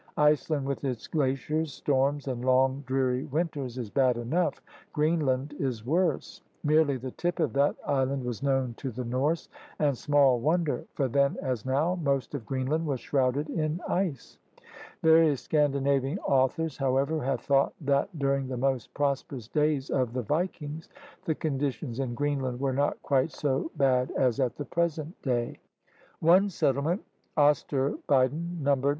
Iceland with its glaciers, storms, and long dreary winters is bad enough. Greenland is worse. Merely the tip of that island was known to the Norse — and small wonder, for then as now most of Greenland was shrouded in ice. Various Scan dinavian authors, however, have thought that during the most prosperous days of the vikings the conditions in Greenland were not quite so bad as I For this information I am indebted to Mr. Stansbury Hagar. 28 THE RED MAN'S CONTINENT at the present day.